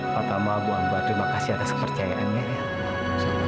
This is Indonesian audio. pertama bu hamba terima kasih atas kepercayaannya ya allah